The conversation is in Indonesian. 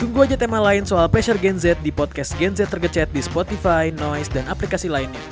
tunggu aja tema lain soal passion gen z di podcast gen z tergecet di spotify noise dan aplikasi lainnya